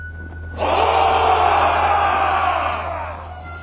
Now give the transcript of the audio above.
お！